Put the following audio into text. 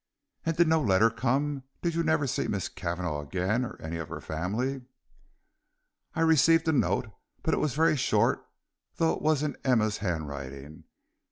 "And did no letter come? Did you never see Miss Cavanagh again, or any of her family?" "I received a note, but it was very short, though it was in Emma's handwriting.